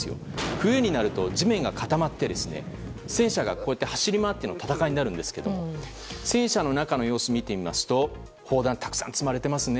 冬になると地面が固まって戦車が走り回っての戦いになるんですが戦車の中の様子を見てみますと砲弾がたくさん積まれていますね。